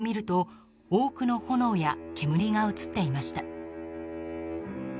映像を見ると多くの炎や煙が映っていました。